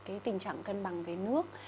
cái tình trạng cân bằng với nước